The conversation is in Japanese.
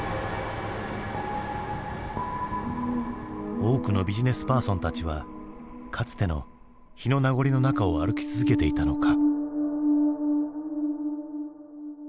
多くのビジネスパーソンたちはかつての日の名残の中を歩き続けていたのか。